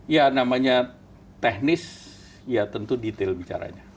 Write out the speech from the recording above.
ya namanya teknis ya tentu detail bicaranya